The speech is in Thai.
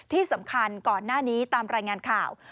ที่สำคัญก่อนหน้านี้ตามรายงานข่าว